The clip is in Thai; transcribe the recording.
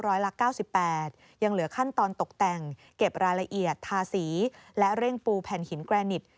ร้อยละ๙๘ยังเหลือขั้นตอนตกแต่งเก็บรายละเอียดทาสีและเร่งปูแผ่นหินแกรนิต